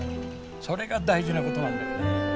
それが大事なことなんだよね。